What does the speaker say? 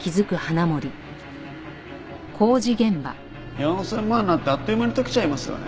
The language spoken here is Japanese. ４０００万なんてあっという間に溶けちゃいますよね。